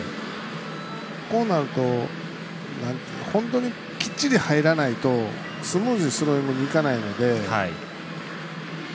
こうなると、本当にきっちり入らないとスムーズにスローイングにいかないので。